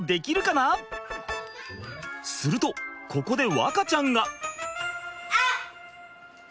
するとここで和花ちゃんが。